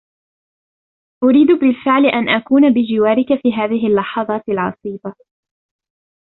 أريد بالفعل أن أكون بجوارك في هذه اللحظات العصيبة.